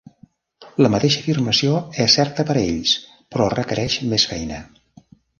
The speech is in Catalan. La mateixa afirmació és certa per a ells, però requereix més feina.